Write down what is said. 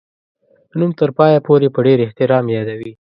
نوم تر پایه پوري په ډېر احترام یادوي.